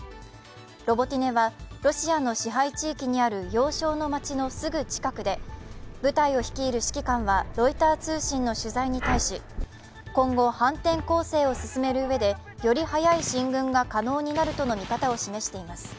ロボティネはロシアの支配地域にある要衝の街のすぐ近くで部隊を率いる指揮官はロイター通信の取材に対し今後、反転攻勢を進めるうえで、より早い進軍が可能になるとの見方を示しています。